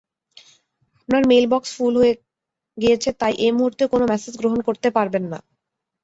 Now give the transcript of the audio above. আপনার mailbox full হয়ে গিয়েছে তাই এই মূহুর্তে কোন মেসেজ গ্রহণ করতে পারবেন না।